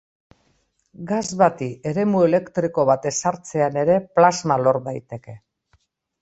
Gas bati eremu elektriko bat ezartzean ere plasma lor daiteke.